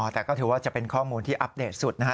แต่ก็ถือว่าจะเป็นข้อมูลที่อัปเดตสุดนะฮะ